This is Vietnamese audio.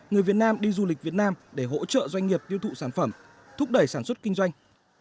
người việt nam đi du lịch việt nam để hỗ trợ doanh nghiệp tiêu thụ sản phẩm thúc đẩy sản xuất kinh doanh